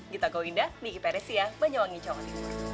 kita goinda miki peresia banyuwangi coklat